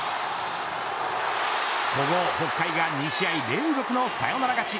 この北海が２試合連続のサヨナラ勝ち。